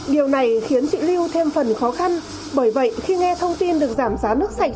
điều này khiến chị lưu thêm phần khó khăn bởi vậy khi nghe thông tin được giảm giá nước sạch